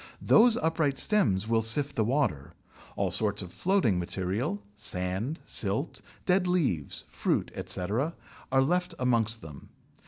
Those upright stems will sift the water: all sorts of floating material, sand, silt, dead leaves, fruit, etc., are left amongst them.